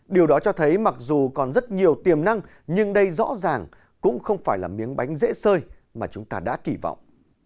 điều đó cho thấy mặc dù còn rất nhiều tiềm năng nhưng đây rõ ràng cũng không phải là miếng bánh dễ sơi mà chúng ta đã kỳ vọng